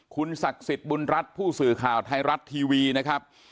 คุณศักดิ์สิทธิ์บุญรัฐผู้สื่อข่าวไทยรัฐทีวีนะครับ